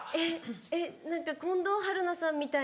えっ近藤春菜さんみたいな。